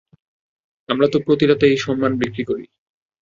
আমরা তো প্রতি রাতেই সম্মান বিক্রি করি।